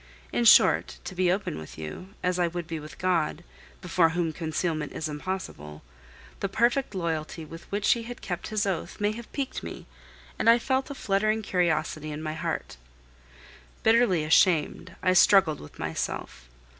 In short, to be open with you, as I would be with God, before whom concealment is impossible, the perfect loyalty with which he had kept his oath may have piqued me, and I felt a fluttering of curiosity in my heart. Bitterly ashamed, I struggled with myself.